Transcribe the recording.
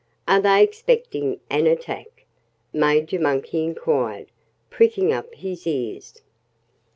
"Are they expecting an attack?" Major Monkey inquired, pricking up his ears.